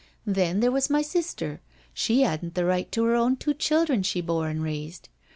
Then there was my sister, she hadn't the right to her own two children she bore and raised.